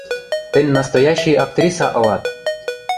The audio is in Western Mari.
Тӹнь настоящий актриса ылат!